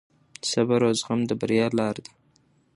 صبر او زغم د بریا لار ده.